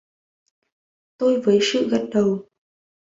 Tôi với Sự gật đầu